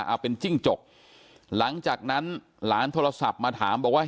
เอาเป็นจิ้งจกหลังจากนั้นหลานโทรศัพท์มาถามบอกว่า